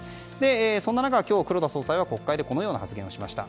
そんな中、今日、黒田総裁は国会でこのような発言をしました。